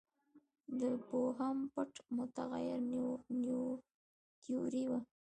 د بوهم پټ متغیر تیوري وه.